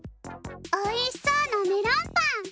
おいしそうなメロンパン！